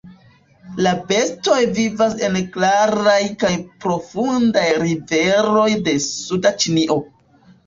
La bestoj vivas en klaraj kaj profundaj riveroj de suda Ĉinio.